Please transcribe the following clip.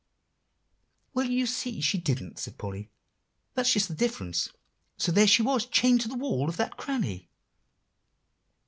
"Well, you see she didn't," said Polly, "that's just the difference; so there she was chained to the wall of that cranny.